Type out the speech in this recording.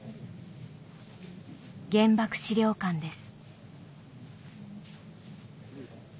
原爆資料館です